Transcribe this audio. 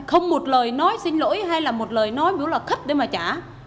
không một lời nói xin lỗi hay là một lời nói ví dụ là khất để mà trả